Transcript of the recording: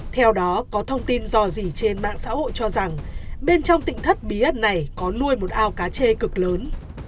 theo đó có thông tin dò dỉ trên mạng xã hội cho rằng bên trong tỉnh thất bí ẩn này có nuôi một ao cá chê cực lớn